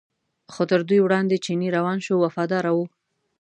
خو تر دوی وړاندې چینی روان شو وفاداره و.